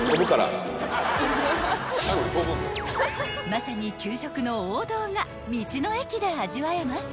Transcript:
［まさに給食の王道が道の駅で味わえます］